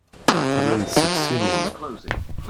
Qqlen-d seg ssinima.